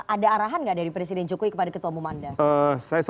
ada arahan gak dari presiden jokowi kepada ketua bumanda